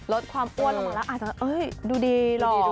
ลดความอ้วนลงมาแล้วอาจจะดูดีหรอ